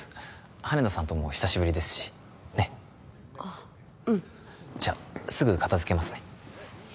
羽田さんとも久しぶりですしねっあっうんじゃあすぐ片づけますね